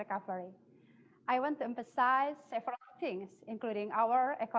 pak hatip saya pikir anda memiliki sesuatu untuk mengatakan